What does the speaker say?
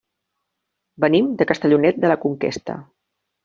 Venim de Castellonet de la Conquesta.